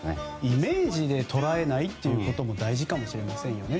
イメージで捉えないということも大事だと思いますよね。